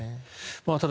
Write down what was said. ただ、